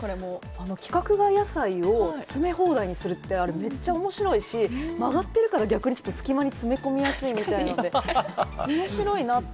規格外野菜を詰め放題にするって、めっちゃ面白いし、曲がっているから隙間に詰め込みやすいみたいなおもしろいなって。